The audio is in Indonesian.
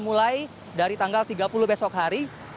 mulai dari tanggal tiga puluh besok hari